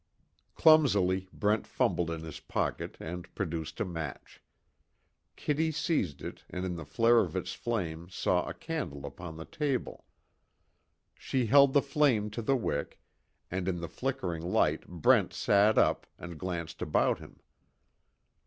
Clumsily Brent fumbled in his pocket and produced a match. Kitty seized it, and in the flare of its flame saw a candle upon the table. She held the flame to the wick, and in the flickering light Brent sat up, and glanced about him.